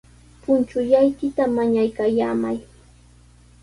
Punchullaykita mañaykallamay.